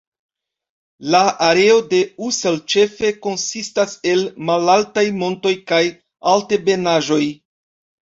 La areo de Ussel ĉefe konsistas el malaltaj montoj kaj altebenaĵoj.